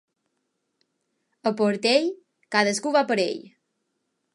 A Portell, cadascú va per ell.